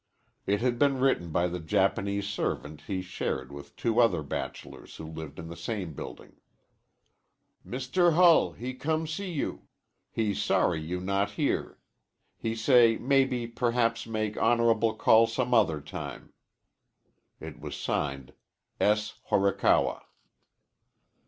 It had been written by the Japanese servant he shared with two other bachelors who lived in the same building. Mr. Hull he come see you. He sorry you not here. He say maybe perhaps make honorable call some other time. It was signed, "S. Horikawa."